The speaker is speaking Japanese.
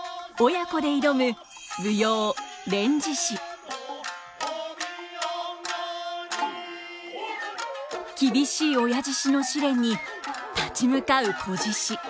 親子で挑む厳しい親獅子の試練に立ち向かう仔獅子。